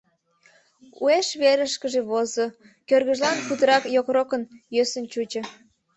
Уэш верышкыже возо, кӧргыжлан путырак йокрокын, йӧсын чучо.